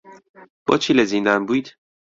بۆچی لە زیندان بوویت؟